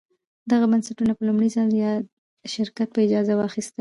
دغه بنسټونه په لومړي ځل یاد شرکت په اجاره واخیستل.